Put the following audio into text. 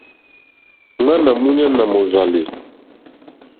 Ŋmánà múɲánà mòrzàlì.